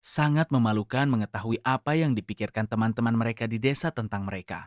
sangat memalukan mengetahui apa yang dipikirkan teman teman mereka di desa tentang mereka